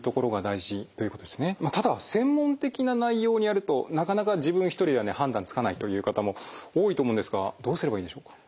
ただ専門的な内容になるとなかなか自分一人では判断つかないという方も多いと思うんですがどうすればいいでしょうか？